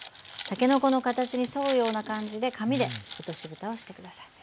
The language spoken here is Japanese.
たけのこの形に沿うような感じで紙で落としぶたをしてください。